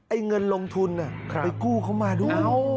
ไอ้เงินลงทุนน่ะไปกู้เขามาดู